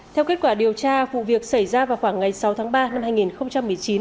theo kết quả điều tra vụ việc xảy ra vào khoảng ngày sáu tháng ba năm hai nghìn một mươi chín